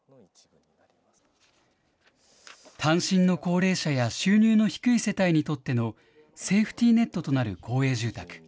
単身の高齢者や収入の低い世帯にとってのセーフティーネットとなる公営住宅。